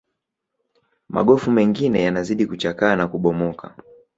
magofu mengine yanazidi kuchakaa na kubomoka